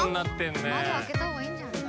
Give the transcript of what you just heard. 窓開けた方がいいんじゃない？